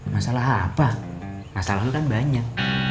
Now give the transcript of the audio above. masalah apa masalah itu kan banyak